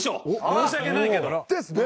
申し訳ないけど。ですね！